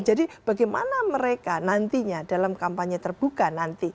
jadi bagaimana mereka nantinya dalam kampanye terbuka nanti